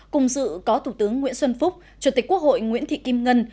cùng dự có thủ tướng nguyễn xuân phúc chủ tịch quốc hội nguyễn thị kim ngân